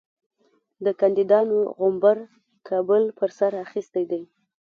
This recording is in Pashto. د کاندیدانو غومبر کابل پر سر اخیستی دی.